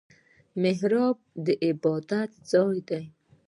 محراب د عبادت ځای دی